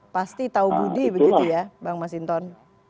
pasti tahu budi begitu ya bang masinton